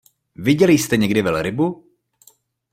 Viděli jste někdy velrybu?